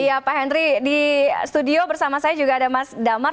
iya pak henry di studio bersama saya juga ada mas damar